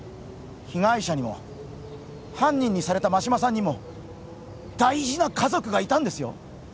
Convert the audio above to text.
被害者にも犯人にされた真島さんにも大事な家族がいたんですよ